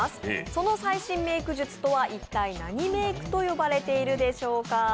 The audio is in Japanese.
その最新メイク術とは一体、何メイクと呼ばれているでしょうか？